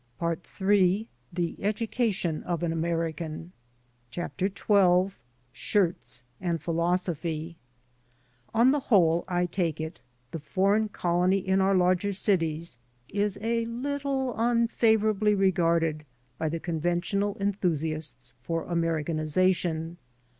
PART III THE EDUCATION OF AN AMERICAN o xn SHIRTS ANIh. PHILOSOPHY §^^ tha whole, I take it, the foreign colony in our V / larger cities is a little unfavorably Regarded by the conventional enthusiasts foif Americanization.